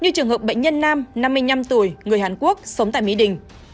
như trường hợp bệnh nhân nam năm mươi năm tuổi người hàn quốc sống tại mỹ đình